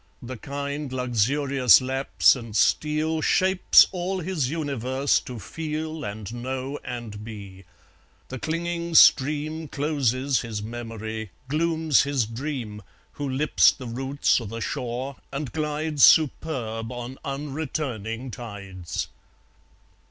The kind luxurious lapse and steal Shapes all his universe to feel And know and be; the clinging stream Closes his memory, glooms his dream, Who lips the roots o' the shore, and glides Superb on unreturning tides.